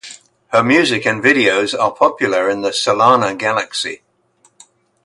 Her music and videos are popular in the Solana Galaxy.